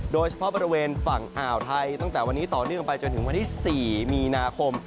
โดยเฉพาะบริเวณฝั่งอ่าวไทยตั้งแต่วันนี้ต่อเนื่องไปจนถึงวันที่๔มีนาคม